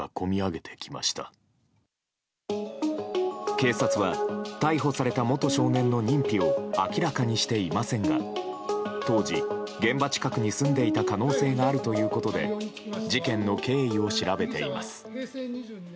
警察は逮捕された元少年の認否を明らかにしていませんが当時、現場近くに住んでいた可能性があるということで事件の経緯を調べています。